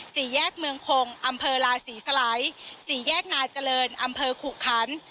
สี่แยกเมืองคงอำเภอลาศรีสลัยสี่แยกนาเจริญอำเภอขุขัน